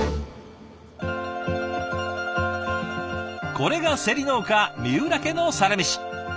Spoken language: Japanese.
これがせり農家三浦家のサラメシ！